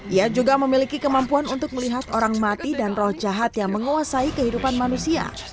ia juga memiliki kemampuan untuk melihat orang mati dan roh jahat yang menguasai kehidupan manusia